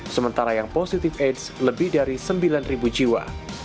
sementara yang positif aids lebih dari sembilan jiwa